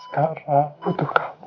sekarang butuh kamu